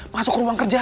masuk ke ruang kerja